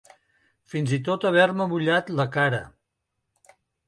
Fins i tot haver-me mullat la cara.